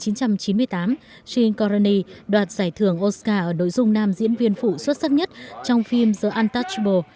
năm một nghìn chín trăm chín mươi tám anshin kauri đoạt giải thưởng oscar ở nội dung nam diễn viên phủ xuất sắc nhất trong phim the untouchable